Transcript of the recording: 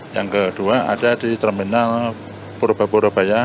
yang kedua ada di terminal purubah purubah ya